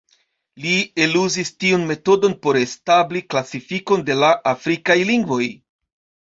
Li eluzis tiun metodon por establi klasifikon de la afrikaj lingvoj.